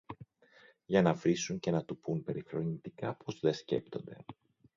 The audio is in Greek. για να βρίσουν και να τους πουν περιφρονητικά πως δε σκέπτονται